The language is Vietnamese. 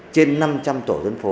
trên năm trăm linh tổ dân phố